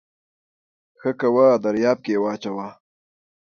ښه کوه دریاب کې واچوه